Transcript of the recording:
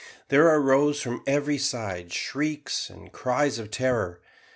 There arose from every side shrieks and cries of terror.